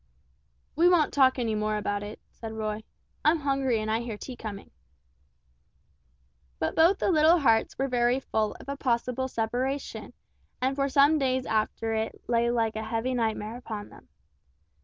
"We won't talk any more about it," said Roy, "I'm hungry and I hear tea coming." But both the little hearts were very full of a possible separation, and for some days after it lay like a heavy nightmare on them.